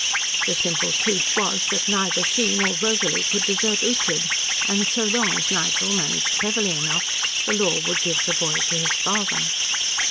The simple truth was that neither she nor Rosalie could desert Ughtred, and so long as Nigel managed cleverly enough, the law would give the boy to his father.